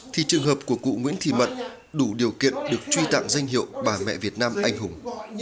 thì trường hợp của cụ nguyễn thị mận đủ điều kiện được truy tặng danh hiệu bà mẹ việt nam anh hùng